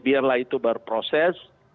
biarlah itu berproses